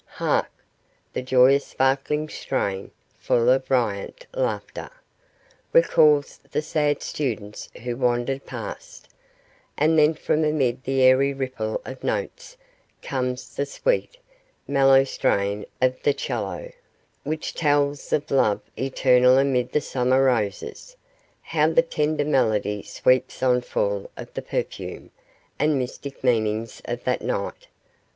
Hark! that joyous sparkling strain, full of riant laughter, recalls the sad students who wandered past, and then from amid the airy ripple of notes comes the sweet, mellow strain of the 'cello, which tells of love eternal amid the summer roses; how the tender melody sweeps on full of the perfume and mystic meanings of that night.